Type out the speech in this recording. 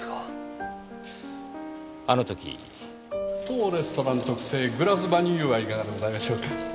当レストラン特製グラスバニーユはいかがでございましょうか？